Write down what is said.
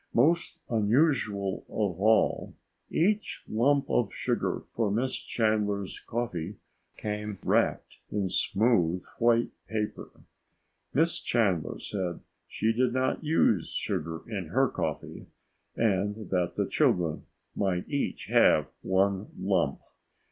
Most unusual of all, each lump of sugar for Miss Chandler's coffee came wrapped in smooth white paper. Miss Chandler said she did not use sugar in her coffee and that the children might each have one lump.